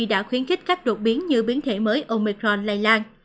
đã khuyến khích các đột biến như biến thể mới omicron